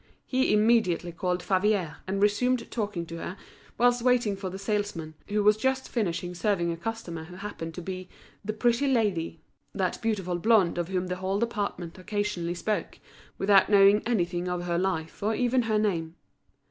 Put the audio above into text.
He Immediately called Favier; and resumed talking to her, whilst waiting for the salesman, who was just finishing serving a customer who happened to be "the pretty lady," that beautiful blonde of whom the whole department occasionally spoke, without knowing anything of her life or even her name.